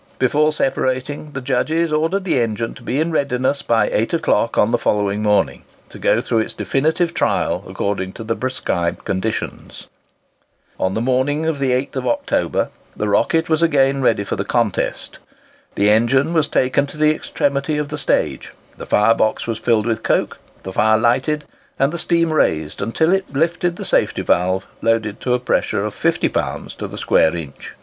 Before separating, the judges ordered the engine to be in readiness by eight o'clock on the following morning, to go through its definitive trial according to the prescribed conditions. On the morning of the 8th October, the "Rocket" was again ready for the contest. The engine was taken to the extremity of the stage, the fire box was filled with coke, the fire lighted, and the steam raised until it lifted the safety valve loaded to a pressure of 50 pounds to the square inch.